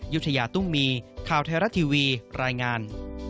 ยุธยาตุ้มมีข่าวไทยรัฐทีวีรายงาน